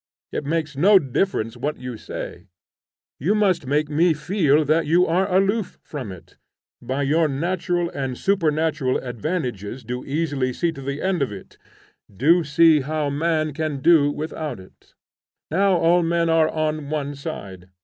It makes no difference what you say, you must make me feel that you are aloof from it; by your natural and supernatural advantages do easily see to the end of it, do see how man can do without it. Now all men are on one side.